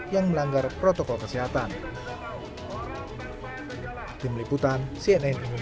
yang melanggar protokol kesehatan di meliputan cnn indonesia wilayah pengadilan